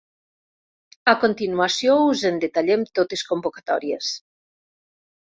A continuació us en detallem totes convocatòries.